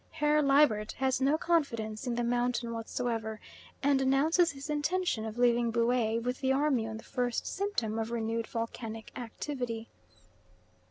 Herr Liebert has no confidence in the mountain whatsoever, and announces his intention of leaving Buea with the army on the first symptom of renewed volcanic activity.